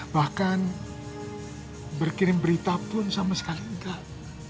bahkan berkirim berita pun sama sekali enggak